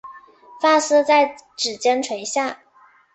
发丝在指间垂下